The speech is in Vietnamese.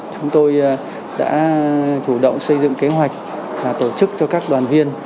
chúng tôi đã chủ động xây dựng kế hoạch và tổ chức cho các đoàn viên